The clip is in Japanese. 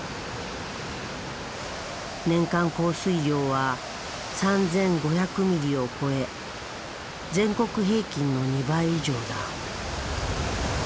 年間降水量は３，５００ミリを超え全国平均の２倍以上だ。